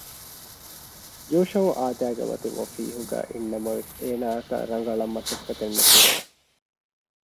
ޔޫޝައު އާދައިގެ މަތިން އޮފީހުގައި އިންނަމަވެސް އޭނާއަކަށް ރަނގަޅަކަށް މަސައްކަތެއް ނުކުރެވެ